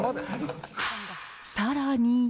さらに。